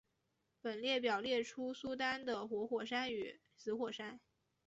本列表列出苏丹的活火山与死火山。